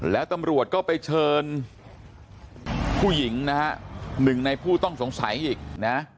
แล้วตำรวจก็ไปเชิญผู้หญิงนะฮะหนึ่งในผู้ต้องสงสัยอีกนะ